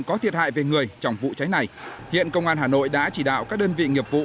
có thiệt hại về người trong vụ cháy này hiện công an hà nội đã chỉ đạo các đơn vị nghiệp vụ